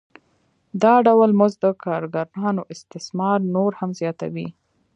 دا ډول مزد د کارګرانو استثمار نور هم زیاتوي